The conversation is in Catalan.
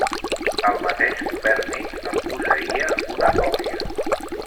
El mateix Copèrnic en posseïa una còpia.